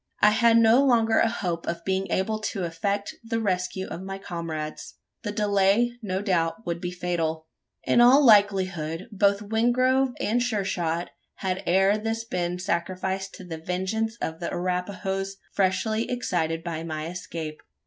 I had no longer a hope of being able to effect the rescue of my comrades. The delay, no doubt, would be fatal. In all likelihood, both Wingrove and Sure shot had ere this been sacrificed to the vengeance of the Arapahoes, freshly excited by my escape.